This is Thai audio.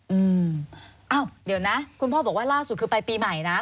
อืมอ้าวเดี๋ยวนะคุณพ่อบอกว่าล่าสุดคือไปปีใหม่นะ